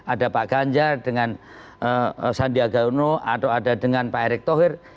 ada pak ganjar dengan sandiaga uno atau ada dengan pak erick thohir